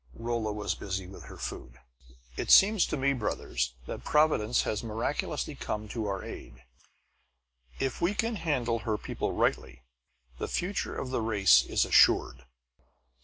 Rolla was busy with her food. "It seems to me, brothers, that Providence has miraculously come to our aid. If we can handle her people rightly the future of the race is assured."